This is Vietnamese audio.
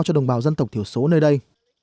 cho đồng bào dân tộc thiểu số nơi đây